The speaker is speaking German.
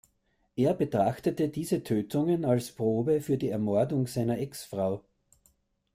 Er betrachtete diese Tötungen als Probe für die Ermordung seiner Exfrau.